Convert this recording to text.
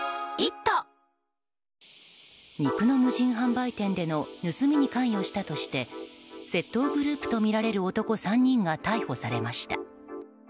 肉の無人販売店での盗みに関与したとして窃盗グループとみられる男３人が逮捕されました。